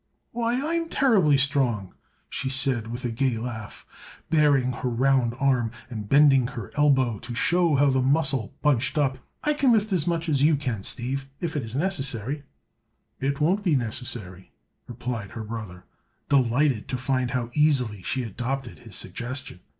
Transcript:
"Why, I'm terribly strong!" she said with a gay laugh, baring her round arm and bending her elbow to show how the muscle bunched up. "I can lift as much as you can, Steve, if it is necessary." "It won't be necessary," replied her brother, delighted to find how easily she adopted his suggestion.